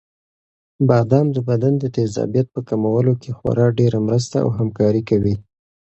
بادام د بدن د تېزابیت په کمولو کې خورا ډېره مرسته او همکاري کوي.